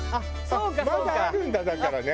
まだあるんだだからね。